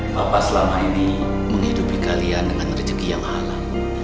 bapak selama ini menghidupi kalian dengan rezeki yang alam